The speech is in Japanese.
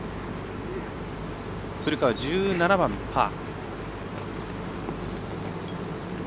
古川、１７番、パー。